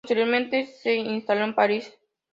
Posteriormente se instaló en París.